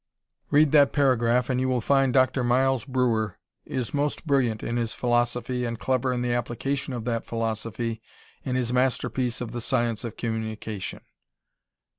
Read that paragraph and you will find Dr. Miles Breuer is most brilliant in his philosophy and clever in the application of that philosophy in his masterpiece of the science of communication.